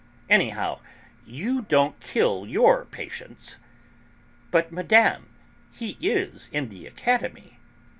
"Anyhow, you don't kill your patients!" "But, Madame, he is in the Academy."